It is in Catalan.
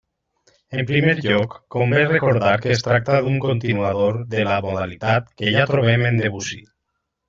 En primer lloc, convé recordar que es tracta d'un continuador de la modalitat que ja trobem en Debussy.